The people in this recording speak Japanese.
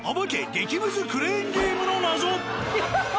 激むずクレーンゲームの謎。